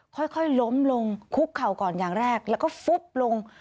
ค่อยล้มลงคุกเข่าก่อนอย่างแรกแล้วก็ฟุบลง